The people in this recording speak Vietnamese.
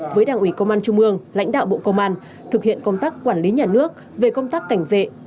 với đảng ủy công an trung ương lãnh đạo bộ công an thực hiện công tác quản lý nhà nước về công tác cảnh vệ